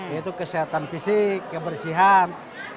yaitu kesehatan fisik kebersihan